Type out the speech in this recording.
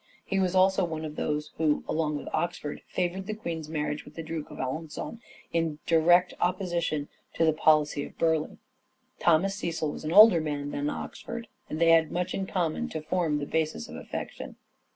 He was also one of those who, along with Oxford, favoured the Queen's marriage with the Duke of Alenson, in direct opposition to the policy of Burleigh. Thomas Cecil was an older man than Oxford, and they had much in common to form the basis of affection.